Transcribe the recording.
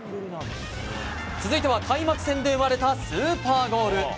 続いては開幕戦で生まれたスーパーゴール。